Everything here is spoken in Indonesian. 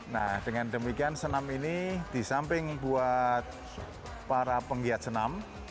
nah dengan demikian senam ini di samping buat para penggiat senam